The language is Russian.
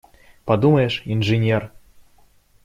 Подумаешь – инженер!